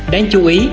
đáng chú ý